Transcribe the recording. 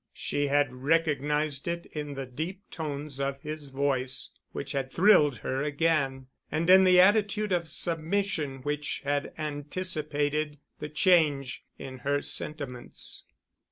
She had recognized it in the deep tones of his voice, which had thrilled her again, and in the attitude of submission which had anticipated the change in her sentiments.